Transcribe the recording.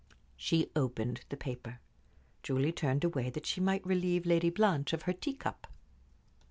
She opened the paper. Julie turned away, that she might relieve Lady Blanche of her teacup.